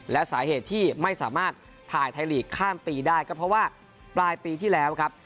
และสาเหตุที่ไม่สามารถถ่ายไทยลีกข้ามปีได้ก็เพราะว่าปลายปีที่แล้วครับ